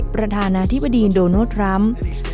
ประธานาธิบดีอินโดนัลดทรัมป์